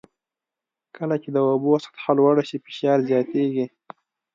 کله چې د اوبو سطحه لوړه شي فشار زیاتېږي.